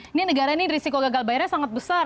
ini negara ini risiko gagal bayarnya sangat besar